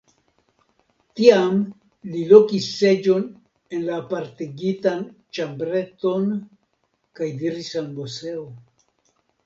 Tiam li lokis seĝon en la apartigitan ĉambreton kaj diris al Moseo.